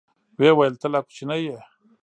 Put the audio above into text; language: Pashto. ويې ويل ته لا کوچنى يې.